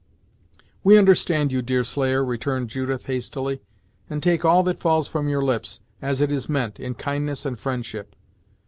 "We understand you, Deerslayer," returned Judith, hastily, "and take all that falls from your lips, as it is meant, in kindness and friendship.